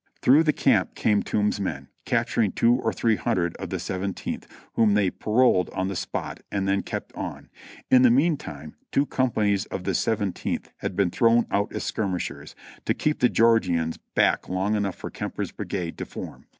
Through the camp came Toombs's men, capturing two or three hundred of the Seventeenth, whom they paroled on the spot and then kept on; in the meantime two companies of the Seven teenth had been thrown out as skirmishers, to keep the Georgians back long enough for Kemper's brigade to form.